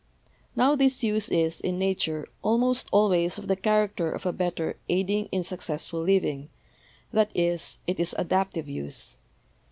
Now this use is, in Nature, almost always of the character of a better aiding in suc cessful living; that is, it is adaptive use.